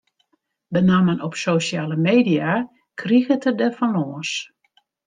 Benammen op sosjale media kriget er der fan lâns.